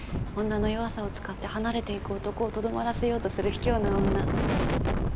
女の弱さを使って離れていく男をとどまらせようとする卑怯な女。